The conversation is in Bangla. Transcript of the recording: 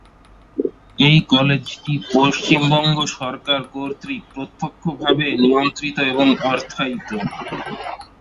এই কলেজটি পশ্চিমবঙ্গ সরকার কর্তৃক প্রত্যক্ষভাবে নিয়ন্ত্রিত এবং অর্থায়িত।